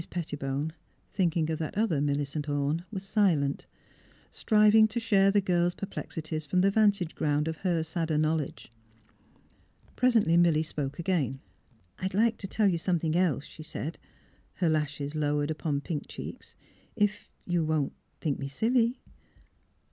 Pettibone, thinking of that other Millicent Orne, was silent, striving to share the girl's per plexities from the vantage ground of her sadder knowledge. Presently Milly spoke again. '' I — I'd like to tell you something else," she said, her lashes lowered upon pink cheeks. " If you — if you won't think me silly?